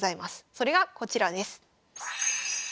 それがこちらです。